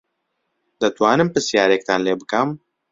دەتوانم پرسیارێکتان لێ بکەم؟